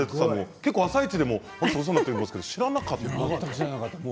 結構、「あさイチ」でもお世話になっていますが知らなかった。